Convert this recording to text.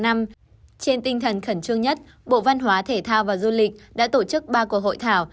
năm trên tinh thần khẩn trương nhất bộ văn hóa thể thao và du lịch đã tổ chức ba cuộc hội thảo